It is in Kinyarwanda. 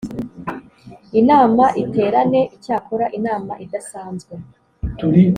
inama iterane. icyakora inama idasanzwe